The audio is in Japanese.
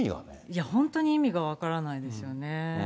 いや、本当に意味が分からないですよね。